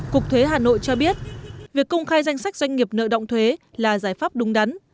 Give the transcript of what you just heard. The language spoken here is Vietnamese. cục thuế hà nội cho biết việc công khai danh sách doanh nghiệp nợ động thuế là giải pháp đúng đắn